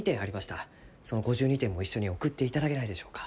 その５２点も一緒に送っていただけないでしょうか？